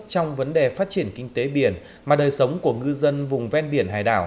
trong vấn đề phát triển kinh tế biển mà đời sống của ngư dân vùng ven biển hải đảo